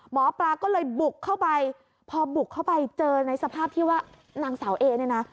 หมอปลาก็เลยบุกเข้าไปพอบุกเข้าไปเจอในสภาพที่ว่านางสาวเอเนี่ยนะ